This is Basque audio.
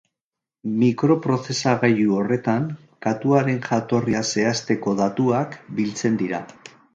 Mikroprozesagailu horretan katuaren jatorria zehazteko datuak biltzen dira.